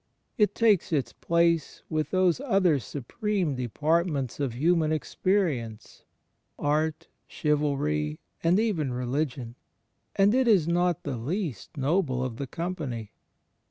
It takes its place with those other supreme departments of human experience — art, chivalry and even religion — and it is not the least noble of the company.